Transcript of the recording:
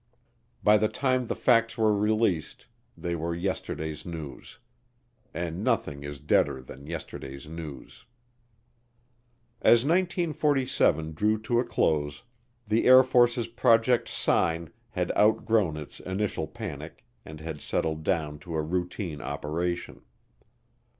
By the time the facts were released they were yesterday's news. And nothing is deader than yesterday's news. As 1947 drew to a close, the Air Force's Project Sign had outgrown its initial panic and had settled down to a routine operation.